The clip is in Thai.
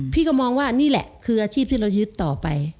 พี่ก็มองว่านี่แหละคืออาชีพที่เรายึดต่อไป